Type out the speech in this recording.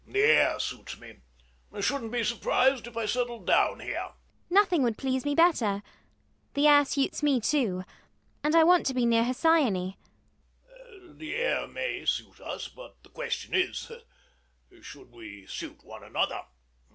The air suits me. I shouldn't be surprised if I settled down here. ELLIE. Nothing would please me better. The air suits me too. And I want to be near Hesione. MANGAN [with growing uneasiness]. The air may suit us; but the question is, should we suit one another?